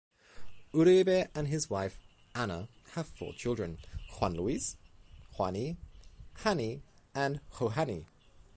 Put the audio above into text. Uribe and his wife Ana have four children: Juan Luis, Juanny, Janny, and Johanny.